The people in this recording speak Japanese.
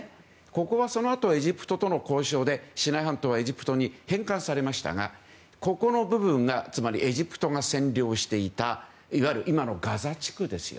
ここはそのあとエジプトとの交渉でシナイ半島はエジプトに返還されましたがここの部分がエジプトが占領していたいわゆる、今のガザ地区です。